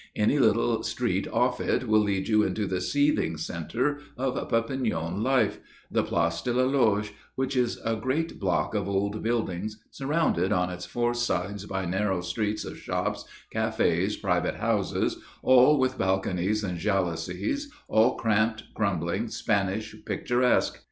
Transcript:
Any little street off it will lead you into the seething centre of Perpignan life the Place de la Loge, which is a great block of old buildings surrounded on its four sides by narrow streets of shops, cafés, private houses, all with balconies and jalousies, all cramped, crumbling, Spanish, picturesque.